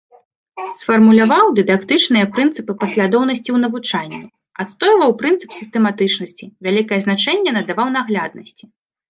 Сфармуляваў дыдактычныя прынцыпы паслядоўнасці ў навучанні, адстойваў прынцып сістэматычнасці, вялікае значэнне надаваў нагляднасці.